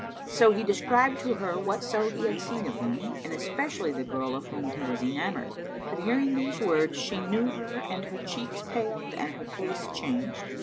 So he described to her whatso he had seen of them and especially the girl of whom he was enamoured; but hearing these words she knew her and her cheeks paled and her case changed.